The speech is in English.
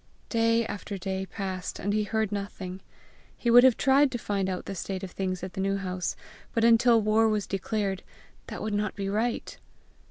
Day after day passed, and he heard nothing. He would have tried to find out the state of things at the New House, but until war was declared that would not be right!